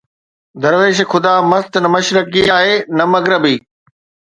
درويش خدا مست نه مشرقي آهي نه مغربي